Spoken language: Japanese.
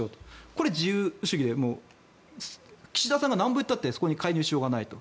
これは自由主義で岸田さんがなんぼ言ったってそこに介入しようがないと。